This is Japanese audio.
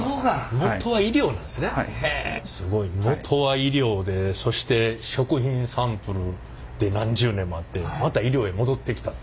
元は医療でそして食品サンプルで何十年もあってまた医療へ戻ってきたって。